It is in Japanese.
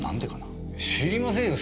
知りませんよ